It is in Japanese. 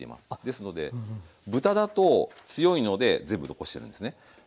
ですので豚だと強いので全部残してるんですね。